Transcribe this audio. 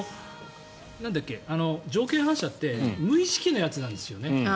条件反射って無意識のやつなんだよね。